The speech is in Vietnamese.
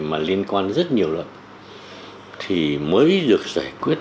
mà liên quan rất nhiều luật thì mới được giải quyết